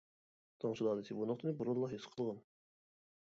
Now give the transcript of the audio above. تاڭ سۇلالىسى بۇ نۇقتىنى بۇرۇنلا ھېس قىلغان.